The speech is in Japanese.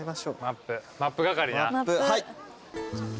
マップ係な。